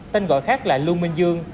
tên gọi khác là lưu minh dương